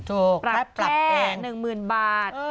ถูกแปลกแปลงปรับแก้๑หมื่นบาท